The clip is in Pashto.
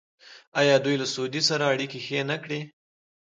آیا دوی له سعودي سره اړیکې ښې نه کړې؟